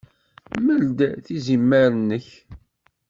Mel-d tizemmar-nnek.